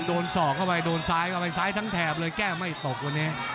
สอกเข้าไปโดนซ้ายเข้าไปซ้ายทั้งแถบเลยแก้ไม่ตกวันนี้